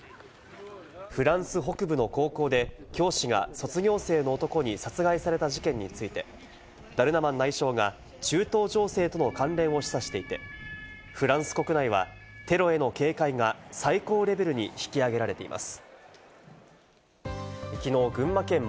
フランス北部の高校で、教師が卒業生の男に殺害された事件について、ダルマナン内相が中東情勢との関連を示唆していて、フランス国内はテロへの警戒が最高レベルに引き上げられています。